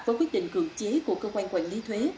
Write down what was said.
với quyết định cưỡng chế của cơ quan quản lý thuế